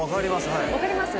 はい分かります？